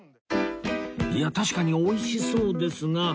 いや確かに美味しそうですが